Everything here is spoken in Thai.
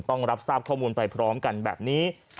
ต้องรับทราบข้อมูลไปพร้อมกันแบบนี้